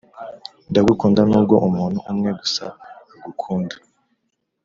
ndagukunda nubwo umuntu umwe gusa agukunda,